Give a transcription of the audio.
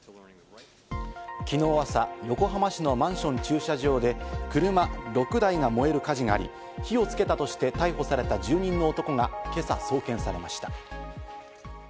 昨日朝、横浜市のマンション駐車場で車６台が燃える火事があり、火をつけたとして逮捕された住人の男が今朝送検されました。